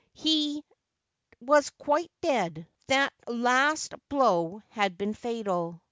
He was quite dead ; that last blow had been fatal.